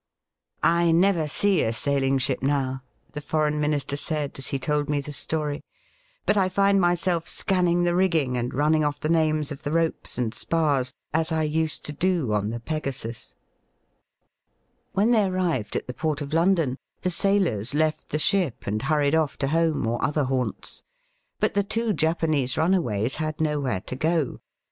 '*I never see a sailing ship now," the Foreign Minister said, as he told me the story, but I find myself scanning the rigging and running off the names of the ropes and spars, as I used to do on the FegasusJ*' When they arrived in the port of London, Digitized by VjOOQIC 26 EAST BY WEST, the sailors left the ship, and hurried off to home or other haunts. But the two Japanese runaways had nowhere to go.